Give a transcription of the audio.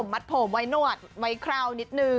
มัดผมไว้หนวดไว้เคราวนิดนึง